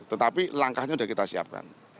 tetapi langkahnya sudah kita siapkan